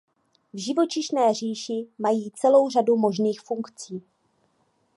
V živočišné říši mají celou řadu možných funkcí.